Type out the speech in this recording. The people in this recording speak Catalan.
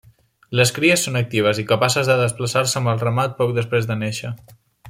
Les cries són actives i capaces de desplaçar-se amb el ramat poc després de néixer.